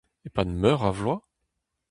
E-pad meur a vloaz ?